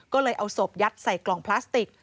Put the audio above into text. ก็เลยเอาศพยัดใส่กล่องพลาสติก